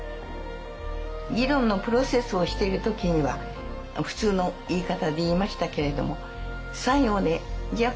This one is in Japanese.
議論のプロセスをしている時には普通の言い方で言いましたけれども最後にじゃあ